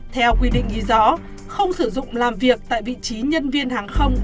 theo quy định ghi rõ không sử dụng làm việc tại vị trí nhân viên hàng không